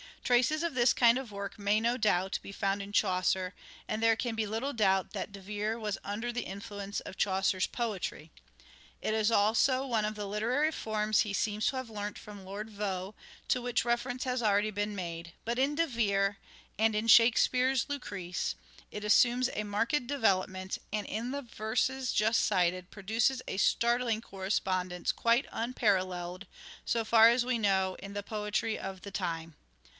Traces of this kind of work may, no doubt, be found in Chaucer, and there can be little doubt that De Vere was under the influence of Chaucer's poetry ; it is also one of the literary forms he seems to have learnt from Lord Vaux, to which reference has already been made, but in De Vere, and in Shakespeare's " Lucrece," it assumes a marked development, and in the verses just cited, produces a startling correspondence quite unparalleled, so far as we know, in the poetry of the time.